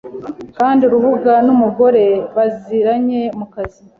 Kandi Urubuga numugore baziranye mukazi